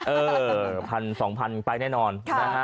เออพัน๒๐๐๐ไปแน่นอน